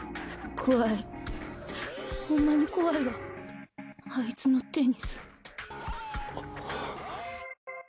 怖いホンマに怖いわアイツのテニス。